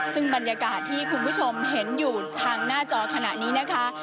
ซึ่งบรรยากาศที่คุณผู้ชมเห็นอยู่ทางหน้าจอขณะนี้นะคะ